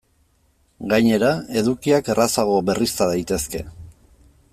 Gainera, edukiak errazago berrizta daitezke.